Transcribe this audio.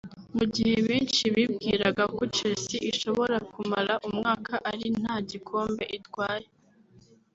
Mu gihe benshi bibwiraga ko Chelsea ishobora kumara umwaka ari nta gikombe itwaye